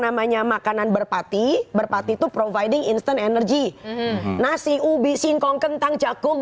namanya makanan berpati berpati itu providing instant energy nasi ubi singkong kentang cakung